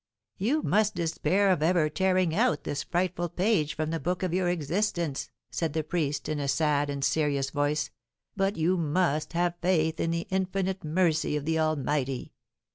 "You must despair of ever tearing out this frightful page from the book of your existence," said the priest, in a sad and serious voice; "but you must have faith in the infinite mercy of the Almighty.